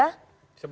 sebelum itu ya